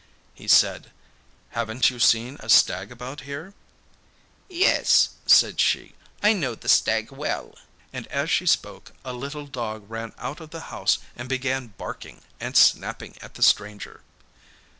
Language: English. He said, 'Haven't you seen a stag about here?' 'Yes,' said she, 'I know the stag well,' and as she spoke a little dog ran out of the house and began barking and snapping at the stranger.